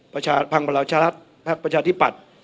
ประชาธิปัตย์ภังประเทศรัฐภักดิ์ประชาธิปัตย์